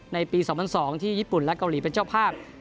ในปี๒๐๐๒ที่ญี่ปุ่นและเกาหลีเป็นเจ้าภาพ